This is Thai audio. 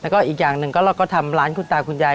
แล้วก็อีกอย่างหนึ่งก็เราก็ทำร้านคุณตาคุณยาย